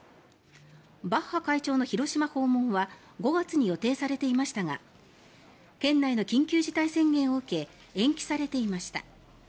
バッハ会長の広島訪問は５月に予定されていましたが県内の緊急事態宣言を受け延期されていました。